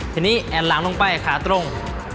ทีนี้แอนหลังลงไปขาตรง